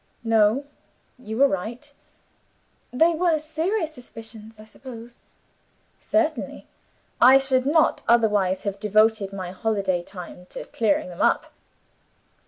"No; you were right." "They were serious suspicions, I suppose?" "Certainly! I should not otherwise have devoted my holiday time to clearing them up."